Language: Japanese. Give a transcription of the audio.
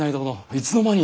いつの間に。